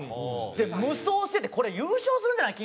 無双してて「これ優勝するんじゃない？